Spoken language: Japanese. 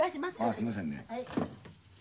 すいませんね。